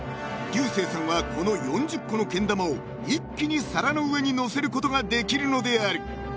リューセーさんはこの４０個のけん玉を一気に皿の上に載せることができるのである］